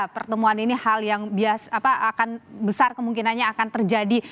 pertemuan ini hal yang biasa akan besar kemungkinannya akan terjadi